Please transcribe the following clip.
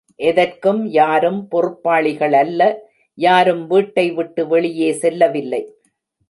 எதற்கும் யாரும் பொறுப்பாளிகள் அல்ல யாரும் வீட்டை விட்டு வெளியே செல்லவில்லை.